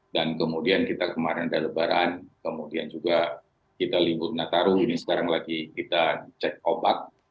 dan kemudian kita kemarin ada lebaran kemudian juga kita libur nataruh ini sekarang lagi kita cek obat